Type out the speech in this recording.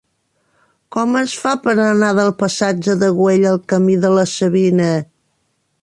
Com es fa per anar del passatge de Güell al camí de la Savina?